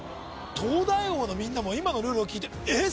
東大王のみんなも今のルールを聞いてえっ